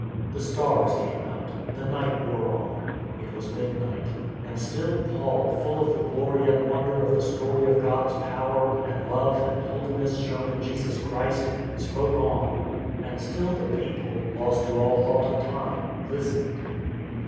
The stars came out. The night wore on. It was midnight. And still Paul, full of the glory and won der of the story of God's power and love and holiness THE FOILED PLOT 275 shown in Jesus Christ, spoke on; and still the people — lost to all thought of time — listened.